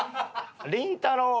りんたろー。